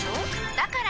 だから！